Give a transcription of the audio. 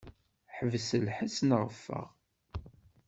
Ḥbes lḥess neɣ ffeɣ.